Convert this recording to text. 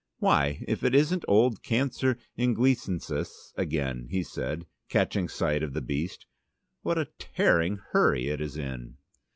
"Why, if it isn't old 'Cancer Inglisensis' again," he said, catching sight of the beast. "What a tearing hurry it is in!"